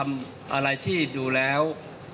ผมมาพูดคำอะไรที่ดูแล้ว